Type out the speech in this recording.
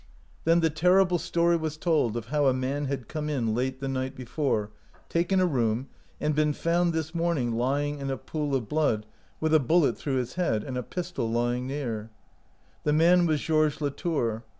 Then the terrible story was told of how a man had come in late the night before, taken a room, and been found this morning lying in a pool of blood with a bullet through his head and a pistol lying near. The man was Georges Latour.